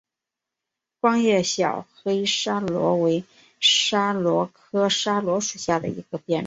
光叶小黑桫椤为桫椤科桫椤属下的一个变种。